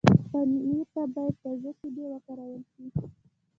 پنېر ته باید تازه شیدې وکارول شي.